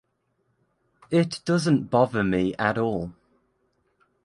It doesn’t bother me at all.